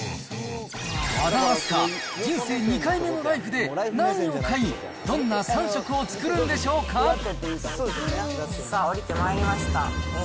和田明日香、人生２回目のライフで、何を買い、さあ、下りてまいりました。